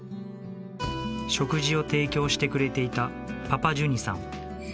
食事を提供してくれていたパパ・ジュニさん。